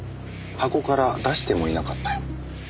箱から出してもいなかったよ。